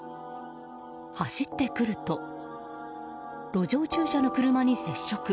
走ってくると路上駐車の車に接触。